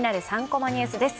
３コマニュース」です。